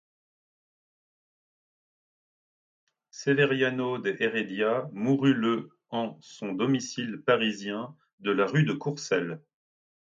Severiano de Heredia mourut le en son domicile parisien de la rue de Courcelles.